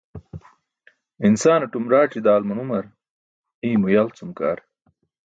Insaanatum raac̣i daal manumr, iymo yal cum ke ar.